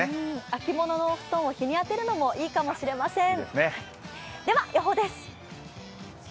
秋物のお布団を日に当てるのもいいかもしれません。